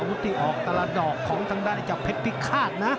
อุติออกแต่ละดอกจากเพชรพิฆาตนะ